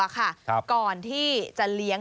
ก่อนที่จะเลี้ยง